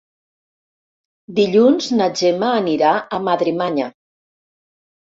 Dilluns na Gemma anirà a Madremanya.